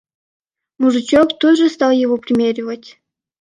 Мужичок тут же стал его примеривать.